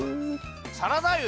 サラダ油。